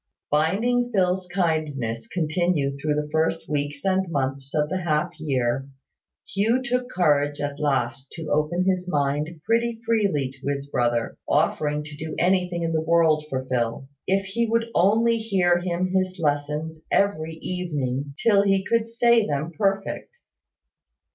Finding Phil's kindness continue through the first weeks and months of the half year, Hugh took courage at last to open his mind pretty freely to his brother, offering to do anything in the world for Phil, if he would only hear him his lessons every evening till he could say them perfect.